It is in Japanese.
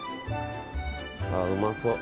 ああ、うまそう。